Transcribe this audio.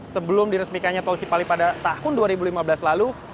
sebelum diresmikannya tol cipali pada tahun dua ribu lima belas lalu